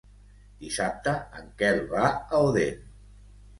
Dissabte en Quel va a Odèn.